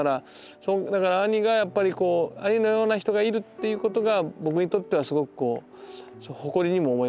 だから兄がやっぱり兄のような人がいるっていうことが僕にとってはすごく誇りにも思いますしね。